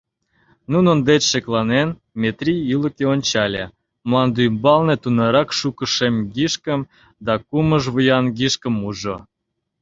Нунын деч шекланен, Метрий ӱлыкӧ ончале — мландӱмбалне тунарак шуко шемгишкым да кумыжвуянгишкым ужо.